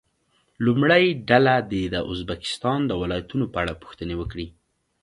لومړۍ ډله دې د ازبکستان د ولایتونو په اړه پوښتنې وکړي.